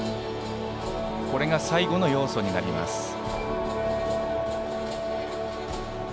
最後の要素になります。